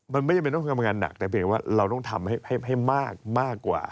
มันไม่จำเป็นต้องทำงานหนักแต่เพียงว่าเราต้องทำให้มากกว่า